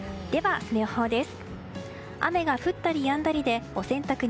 明日の予報です。